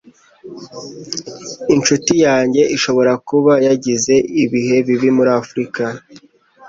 Inshuti yanjye ishobora kuba yagize ibihe bibi muri Afrika.